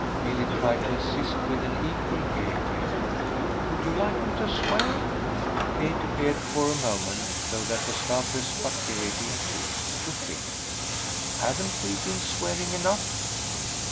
Milly tried to insist with an equal gaiety. "Would you like me to swear?" Kate appeared for a moment though that was doubtless but gaiety too to think. "Haven't we been swearing enough?"